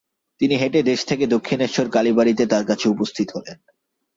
তিনি হেঁটে দেশ থেকে দক্ষিণেশ্বর কালীবাড়ীতে তাঁর কাছে উপস্থিত হলেন।